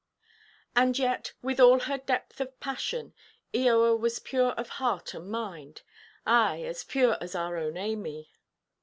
And yet, with all her depth of passion, Eoa was pure of heart and mind,—ay, as pure as our own Amy.